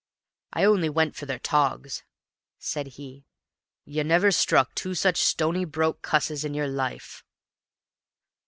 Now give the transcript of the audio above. "I only went for their togs," said he. "You never struck two such stony broke cusses in yer life!"